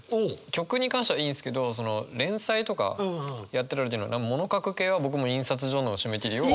曲に関してはいいんですけど連載とかやってた時のもの書く系は僕も印刷所の締め切りを。